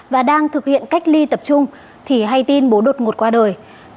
và đang thực hiện cách ly tập trung thì hay tin bố đột ngột qua đời